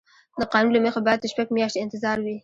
د قانون له مخې باید شپږ میاشتې انتظار وي.